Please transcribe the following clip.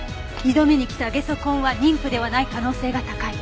２度目に来たゲソ痕は妊婦ではない可能性が高い。